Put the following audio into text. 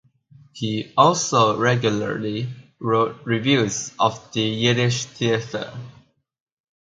He also regularly wrote reviews of the Yiddish theatre.